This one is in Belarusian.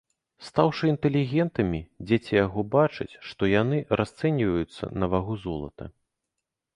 Стаўшы інтэлігентамі, дзеці яго бачаць, што яны расцэньваюцца на вагу золата.